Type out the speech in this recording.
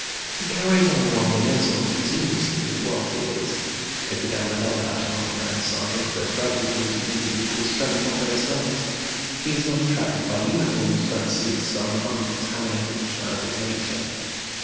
He carried on one liaison continuously for twelve years; it began without passion on the friend's side, but gradually grew to nearly equal strength on both sides. He is not attracted by uniforms, but seeks some uncontaminated child of nature.